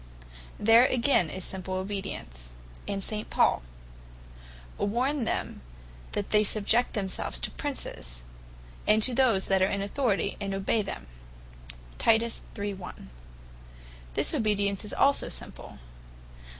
There again is simple obedience. And St. Paul, (Tit. 3. 2) "Warn them that they subject themselves to Princes, and to those that are in Authority, & obey them." This obedience is also simple.